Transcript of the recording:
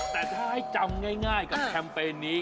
แต่ถ้าให้จำง่ายกับแคมเปญนี้